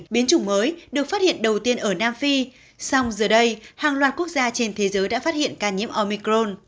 biến chủng mới được phát hiện đầu tiên ở nam phi song giờ đây hàng loạt quốc gia trên thế giới đã phát hiện ca nhiễm omicron